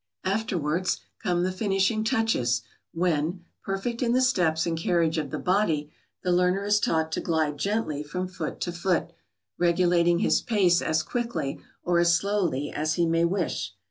] Afterwards come the finishing touches, when, perfect in the steps and carriage of the body, the learner is taught to glide gently from foot to foot, regulating his pace as quickly or as slowly as he may wish.